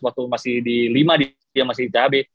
waktu masih di lima dia masih di thb